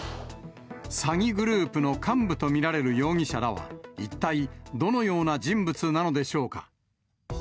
詐欺グループの幹部と見られる容疑者らは、一体どのような人物なのでしょうか。